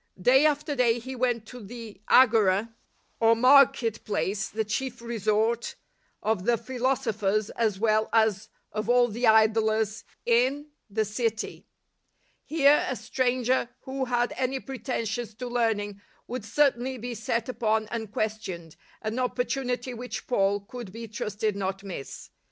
Day after day he went to the Agora, or market place, the chief resort of the philosophers as well as of all the idlers in isiii f ' I ;U JR 'Rf' R ' 74 LIFE OF ST. PAUL 1 J(' ^ the city . Here a stranger who had any preten sions to learning would certainly be set upon and questioned, an opportunity which Paul could be trusted not to miss.